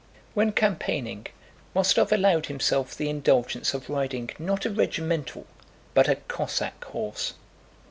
When campaigning, Rostóv allowed himself the indulgence of riding not a regimental but a Cossack horse.